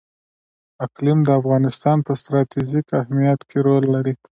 اقلیم د افغانستان په ستراتیژیک اهمیت کې رول لري.